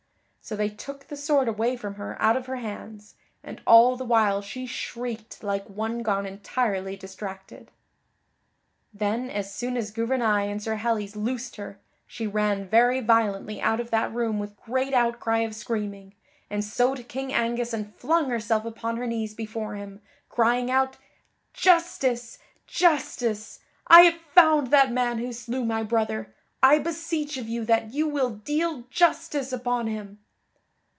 So they took the sword away from her out of her hands, and all the while she shrieked like one gone entirely distracted. Then as soon as Gouvernail and Sir Helles loosed her, she ran very violently out of that room with great outcry of screaming, and so to King Angus and flung herself upon her knees before him, crying out: "Justice! Justice! I have found that man who slew my brother! I beseech of you that you will deal justice upon him."